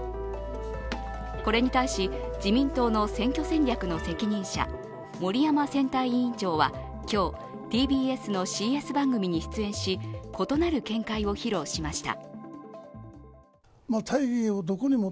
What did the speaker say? これに対し、自民党の選挙戦略の責任者、森山選対委員長は今日、ＴＢＳのＣＳ番組に出演し、異なる見解を披露しました。